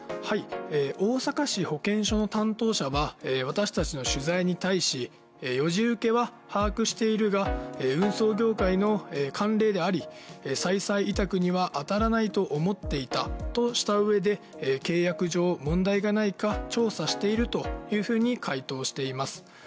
大阪市保健所の担当者は私達の取材に対し４次請けは把握しているが運送業界の慣例であり再々委託には当たらないと思っていたとした上で契約上問題がないか調査しているというふうに回答しています。